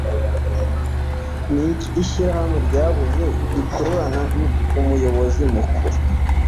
Niki Ishirahamwe ryabuze rikirukana Umuyobozi mukuru